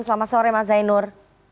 selamat sore mbak zainur